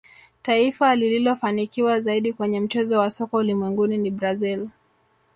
taifa lililofanikiwa zaidi kwenye mchezo wa soka ulimwenguni ni brazil